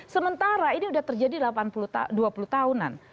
sementara ini sudah terjadi dua puluh tahunan